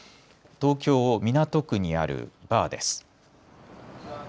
東京港区にあるバーです。